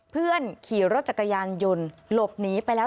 ขี่รถจักรยานยนต์หลบหนีไปแล้ว